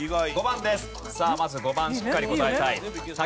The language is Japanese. さあまず５番しっかり答えたい。